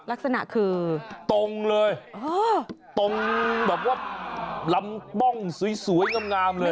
ลักษณะคือตรงเลยตรงแบบว่าลำป้องสวยงามเลย